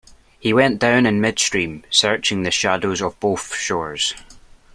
He went down in midstream, searching the shadows of both shores.